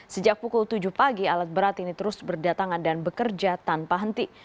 sejak pukul tujuh pagi alat berat ini terus berdatangan dan bekerja tanpa henti